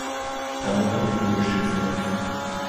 Таму там яму ёсць чым заняцца.